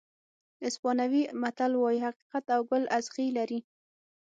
اسپانوي متل وایي حقیقت او ګل اغزي لري.